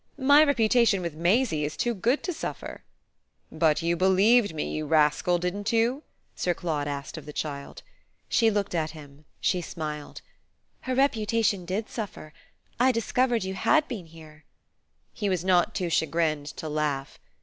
"My reputation with Maisie is too good to suffer." "But you believed me, you rascal, didn't you?" Sir Claude asked of the child. She looked at him; she smiled. "Her reputation did suffer. I discovered you had been here." He was not too chagrined to laugh.